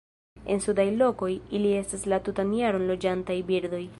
En sudaj lokoj, ili estas la tutan jaron loĝantaj birdoj.